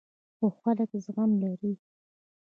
خو خلک زغم لري.